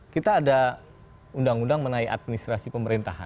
kita ada undang undang mengenai administrasi pemerintahan